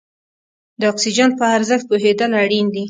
د اکسیجن په ارزښت پوهېدل اړین دي.